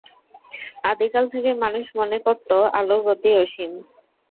আদিকাল থেকেই মানুষ মনে করত আলোর গতি অসীম।